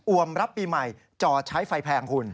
วมรับปีใหม่จอใช้ไฟแพงคุณ